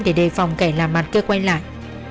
để đề phòng kẻ làm mặt kia quay lại